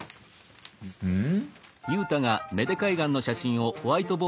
うん？